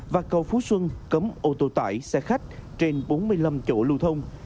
và cầu phú xuân cấm ô tô tải xe khách trên bốn mươi năm chỗ lưu thông